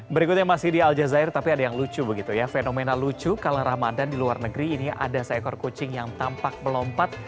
berikutnya masih di al jazeera tapi ada yang lucu begitu ya fenomena lucu kalau ramadan di luar negeri ini ada seekor kucing yang tampak melompat